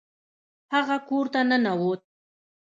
هغه کور ته ننوت.